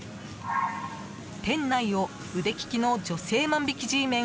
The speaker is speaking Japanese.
店内を腕利きの女性万引きＧメン